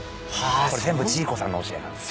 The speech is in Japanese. これ全部ジーコさんの教えなんです。